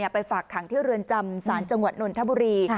ไปฝากขังที่เรือนจำศาลจังหวัดนนทบุรี